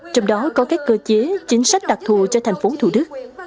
trong đó có các cơ chế chính sách đặc thù cho thành phố thủ đức